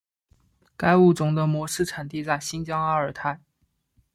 该物种的模式产地在新疆阿尔泰。